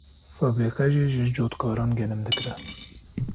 febrîqe jî ji cotkaran genim dikire.